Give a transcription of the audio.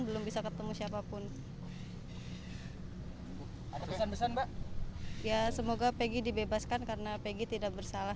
belum bisa ketemu siapapun pesan pesan mbak ya semoga peggy dibebaskan karena peggy tidak bersalah